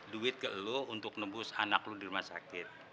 duit ke lo untuk nembus anak lu di rumah sakit